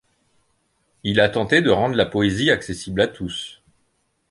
Il a tenté de rendre la poésie accessible à tous.